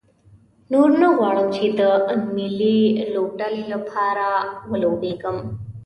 نور نه غواړم چې د ملي لوبډلې لپاره ولوبېږم.